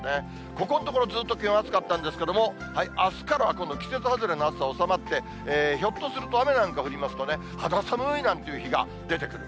ここんところ、気温、暑かったんですけれども、あすからは今度、季節外れの暑さ収まって、ひょっとすると雨なんか降りますとね、肌寒いなんて日も出てくる。